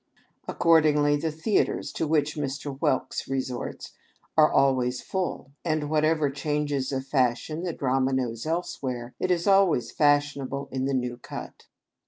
Accordingly, the Theatres to which Mr. Whelks re sorts are always full ; and whatever changes of fashion the drama knows elsewhere, it is always fashionable in the New Cut.